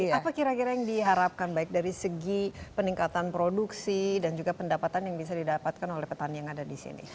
apa kira kira yang diharapkan baik dari segi peningkatan produksi dan juga pendapatan yang bisa didapatkan oleh petani yang ada di sini